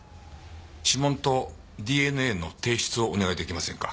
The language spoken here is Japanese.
指紋とＤＮＡの提出をお願い出来ませんか？